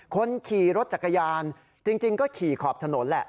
คนขี่รถจักรยานจริงก็ขี่ขอบถนนแหละ